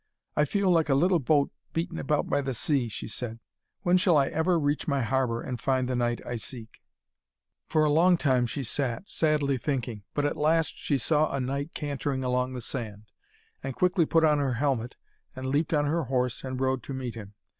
'I feel like a little boat beaten about by the sea,' she said. 'When shall I ever reach my harbour, and find the knight I seek?' For a long time she sat, sadly thinking. But at last she saw a knight cantering along the sand, and quickly put on her helmet and leaped on her horse, and rode to meet him.